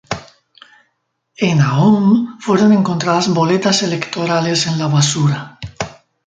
En ahome fueron encontradas boletas electorales en la basura.